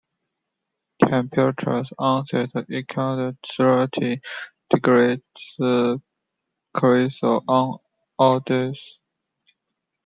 Temperatures on site exceeded thirty degrees Celsius on all days.